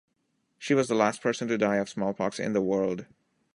She was the last person to die of smallpox in the world.